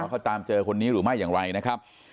เขาตามเจอคนนี้หรือไม่อย่างไรนะครับ